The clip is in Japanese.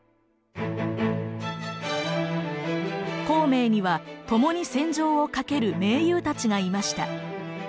孔明には共に戦場を駆ける盟友たちがいました。